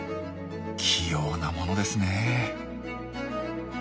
器用なものですねえ。